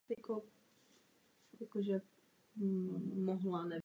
U těles menších vstupuje do hry jejich vnitřní pevnost.